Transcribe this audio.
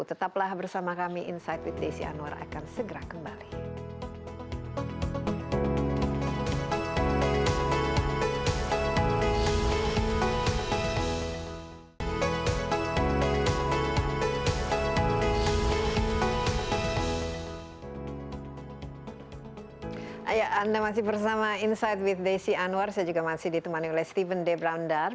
tetaplah bersama kami insight with desi anwar